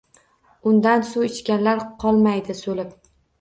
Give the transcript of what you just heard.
Undan suv ichganlar qolmaydi so’lib